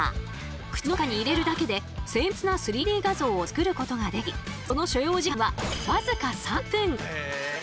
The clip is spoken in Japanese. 口の中に入れるだけで精密な３Ｄ画像をつくることができその所要時間は僅か３分！